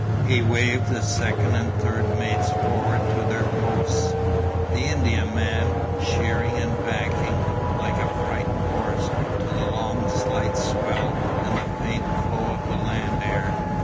He waved the second and third mates forward to their posts,—the Indiaman sheering and backing, like a frightened horse, to the long slight swell and the faint flow of the land air.